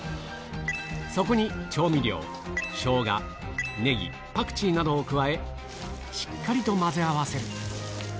そこに調味料、ショウガ、ネギ、パクチーなどを加え、しっかりと混ぜ合わせる。